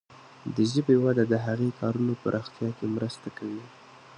د ژبې وده د هغه کارونې پراختیا کې مرسته کوي.